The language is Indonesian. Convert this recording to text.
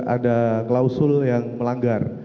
ada klausul yang melanggar